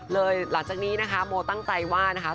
หลังจากนี้นะคะโมตั้งใจว่านะคะ